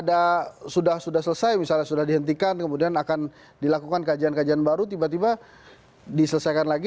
ada sudah sudah selesai misalnya sudah dihentikan kemudian akan dilakukan kajian kajian baru tiba tiba diselesaikan lagi